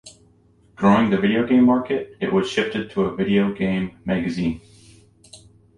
Growing the video game market, it was shifted to a video game magazine.